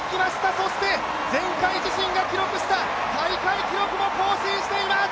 そして、前回自身が記録した大会記録も更新しています。